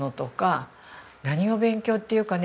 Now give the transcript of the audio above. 何を勉強っていうかね